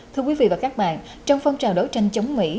thưa quý vị và các bạn trong phong trào đấu tranh chống mỹ